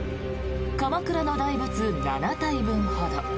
鎌倉の大仏７体分ほど。